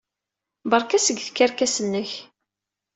Beṛka seg tkerkas-nnek!